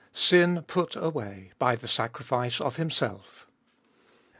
SIN PUT AWAY BY THE SACRIFICE OF HIMSELF.